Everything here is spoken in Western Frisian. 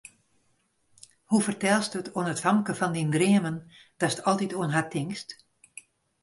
Hoe fertelst it oan it famke fan dyn dreamen, datst altyd oan har tinkst?